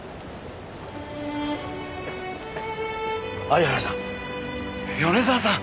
相原さん。